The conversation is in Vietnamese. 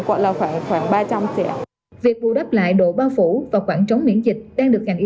quả là khoảng ba trăm linh xe việc bù đắp lại độ bao phủ và khoảng trống miễn dịch đang được ngành y